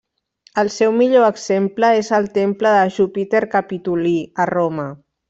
El seu millor exemple és el Temple de Júpiter Capitolí, a Roma.